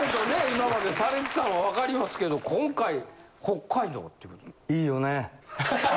今までされてたんは分かりますけど今回北海道っていうことで。